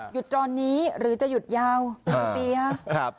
หยุดตอนนี้หรือจะหยุดยาว๑ปีนะ